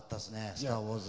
「スター・ウォーズ」。